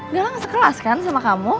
galang sekelas kan sama kamu